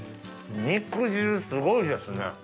肉汁すごいですね。